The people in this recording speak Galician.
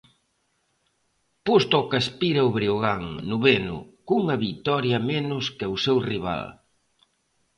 Posto ao que aspira o Breogán, noveno, cunha vitoria menos que o seu rival.